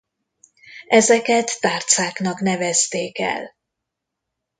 Ezeket tárcáknak nevezték el.